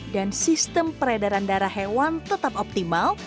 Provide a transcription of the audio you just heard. dan sistem peredaran darah hewan tetap optimal